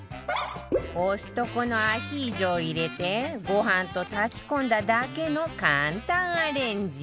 コストコのアヒージョを入れてご飯と炊き込んだだけの簡単アレンジ